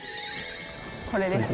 これですね。